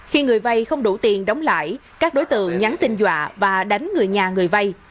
khi người vay không đủ tiền đóng lại các đối tượng nhắn tin dọa và đánh người nhà người vay